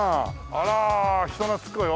あら人懐っこい。